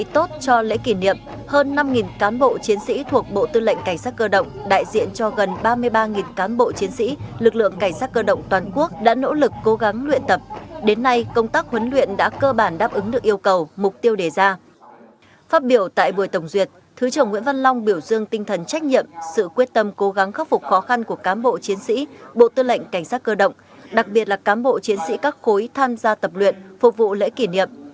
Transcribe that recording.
trong buổi tổng duyệt thứ trưởng nguyễn văn long biểu dương tinh thần trách nhiệm sự quyết tâm cố gắng khắc phục khó khăn của cám bộ chiến sĩ bộ tư lệnh cảnh sát cơ động đặc biệt là cám bộ chiến sĩ các khối tham gia tập luyện phục vụ lễ kỷ niệm